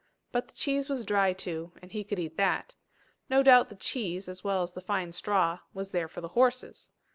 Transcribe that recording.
But the cheese was dry too, and he could eat that! No doubt the cheese, as well as the fine straw, was there for the horses!